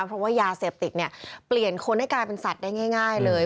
เพราะว่ายาเสพติดเนี่ยเปลี่ยนคนให้กลายเป็นสัตว์ได้ง่ายเลย